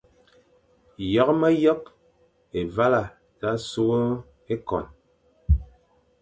Yekh myekh, Évala sa sukh ékon,